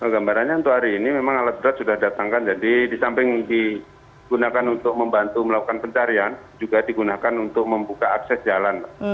gambarannya untuk hari ini memang alat berat sudah datangkan jadi di samping digunakan untuk membantu melakukan pencarian juga digunakan untuk membuka akses jalan